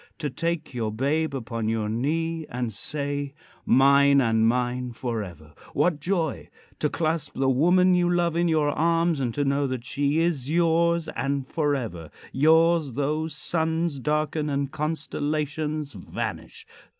To take your babe upon your knee and say: "Mine and mine forever!" What joy! To clasp the woman you love in your arms and to know that she is yours and forever yours though suns darken and constellations vanish!